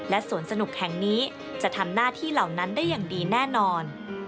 สวนสนุกแห่งนี้จะทำหน้าที่เหล่านั้นได้อย่างดีแน่นอน